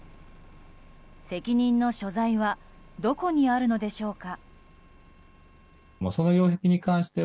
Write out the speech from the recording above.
責任の所在はどこにあるのでしょうか。